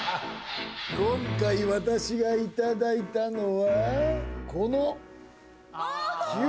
今回、私がいただいたのは。